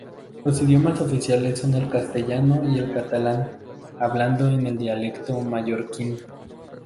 Los idiomas oficiales son el castellano y el catalán, hablado en el dialecto mallorquín.